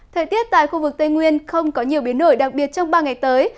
thời tiết tại khu vực tây nguyên không có nhiều biến đổi đặc biệt trong ba ngày tới